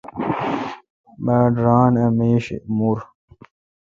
باڑ ران اہ میش مور۔